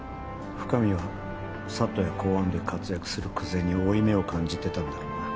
深海はＳＡＴや公安で活躍する久瀬に負い目を感じてたんだろうな。